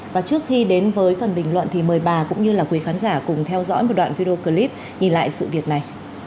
và trước khi đến với phần bình luận thì mời bà cũng như là quý khán giả cùng theo dõi một đoạn video clip nhìn lại sự việc này